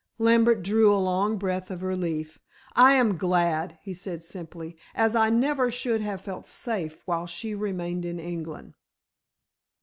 Lambert drew a long breath of relief. "I am glad," he said simply, "as I never should have felt safe while she remained in England."